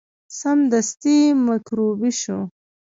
سمدستي میکروبي شو.